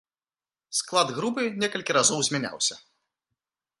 Склад групы некалькі разоў змяняўся.